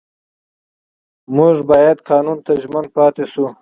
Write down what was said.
موږ باید قانون ته ژمن پاتې شو